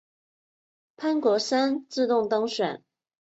潘国山自动当选。